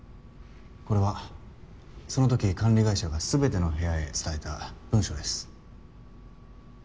これはその時管理会社が全ての部屋へ伝えた文書です。